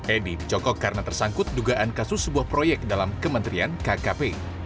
edi dicokok karena tersangkut dugaan kasus sebuah proyek dalam kementerian kkp